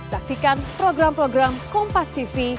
saksikan program program kompas tv